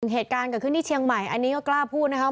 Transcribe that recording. เหตุการณ์เกิดขึ้นที่เชียงใหม่อันนี้ก็กล้าพูดนะครับ